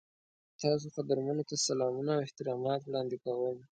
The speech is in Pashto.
تاسو قدرمنو ته سلامونه او احترامات وړاندې کوم.